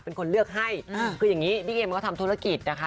เป็นคนเลือกให้คืออย่างนี้บิ๊กเอ็มก็ทำธุรกิจนะคะ